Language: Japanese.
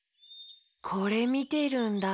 これみてるんだ。